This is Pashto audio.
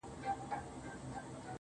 پرون چې مې زړه تنګ و